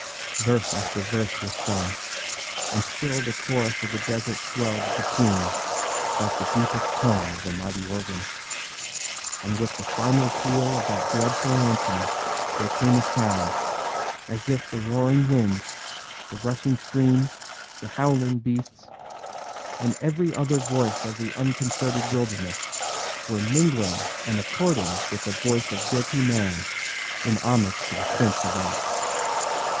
Verse after verse was sung; and still the chorus of the desert swelled between like the deepest tone of a mighty organ; and with the final peal of that dreadful anthem there came a sound, as if the roaring wind, the rushing streams, the howling beasts, and every other voice of the unconcerted wilderness were mingling and according with the voice of guilty man in homage to the prince of all.